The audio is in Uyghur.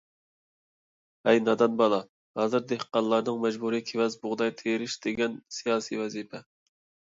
ھەي نادان بالا، ھازىر دېھقانلارنىڭ مەجبۇرىي كېۋەز، بۇغداي تېرىشى دېگەن سىياسىي ۋەزىپە.